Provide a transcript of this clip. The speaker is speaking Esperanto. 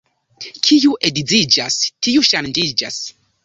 Kiu edziĝas, tiu ŝanĝiĝas.